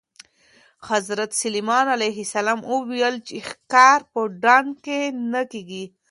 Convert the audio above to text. حضرت سلیمان علیه السلام وویل چې ښکار په ډنډ کې نه کېږي.